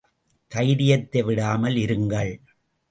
தைரியத்தை விடாமல் இருங்கள்.